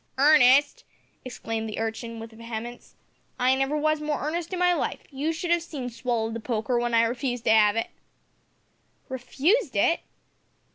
"Earnest!" exclaimed the urchin with vehemence. "I never was more in earnest in my life. You should 'ave seen Swallow'd the poker w'en I refused to 'ave it." "Refused it?"